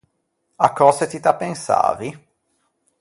À cose ti t’appensavi?